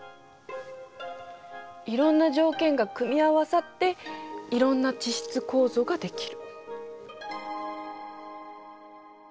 いろんな条件が組み合わさっていろんな地質構造ができる。